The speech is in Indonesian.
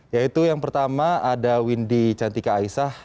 yaitu yang pertama ada windy cantika aisah